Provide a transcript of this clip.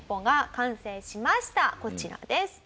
こちらです。